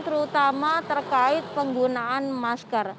terutama terkait penggunaan masker